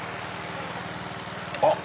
あっ！